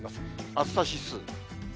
暑さ指数。